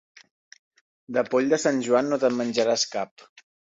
De poll de Sant Joan no te'n menjaràs cap.